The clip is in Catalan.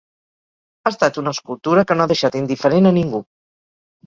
Ha estat una escultura que no ha deixat indiferent a ningú.